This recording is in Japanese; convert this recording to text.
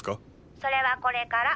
それはこれから。